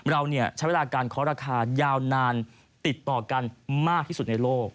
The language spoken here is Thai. เราใช้เวลาการเคาะราคายาวนานติดต่อกันมากที่สุดในโลก